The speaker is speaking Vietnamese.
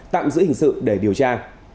tạm giữ hình sự để điều tra